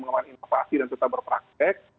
mengembangkan inovasi dan tetap berpraktek